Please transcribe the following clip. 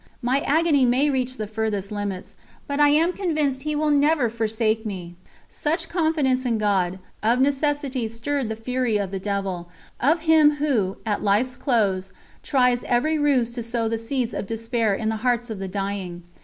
My agony may reach the furthest limits, but I am convinced He will never forsake me." Such confidence in God, of necessity stirred the fury of the devil of him who, at life's close, tries every ruse to sow the seeds of despair in the hearts of the dying.